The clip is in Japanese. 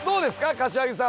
柏木さん。